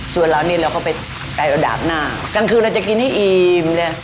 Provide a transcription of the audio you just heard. ส่วนเรานี่เราก็ไปไกลระดับหน้ากลางคืนเราจะกินให้อิ่มเลย